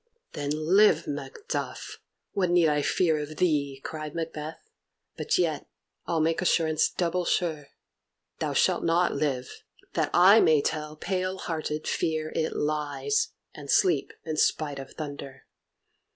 "Then live, Macduff; what need I fear of thee?" cried Macbeth. "But yet I'll make assurance double sure; thou shalt not live; that I may tell pale hearted fear it lies, and sleep in spite of thunder."